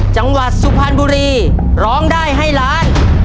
จังหวัดสุพรรณบุรีร้องได้ให้ล้าน